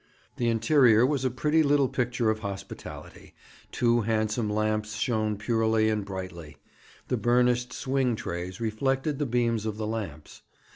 The interior was a pretty little picture of hospitality; two handsome lamps shone purely and brightly. The burnished swing trays reflected the beams of the lamps.